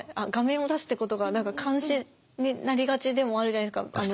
画面を出すってことが何か監視になりがちでもあるじゃないですか